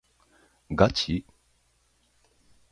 ガチ？